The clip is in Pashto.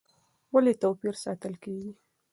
ولې توپیر ساتل کېږي؟